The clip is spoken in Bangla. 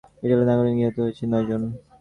ইতালির নাগরিক নিহত হয়েছেন নয়জন।